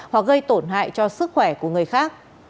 hoặc gây tổn hại cho sức khỏe của người khác